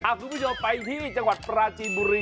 คุณผู้ชมไปที่จังหวัดปราจีนบุรี